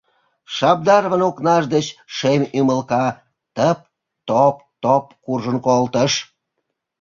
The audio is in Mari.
Шабдаровын окнаж деч шем ӱмылка тып-топ-топ куржын колтыш.